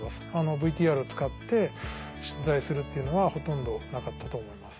ＶＴＲを使って出題するっていうのはほとんどなかったと思います。